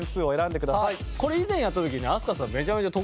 これ以前やった時に。